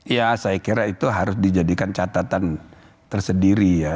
ya saya kira itu harus dijadikan catatan tersendiri ya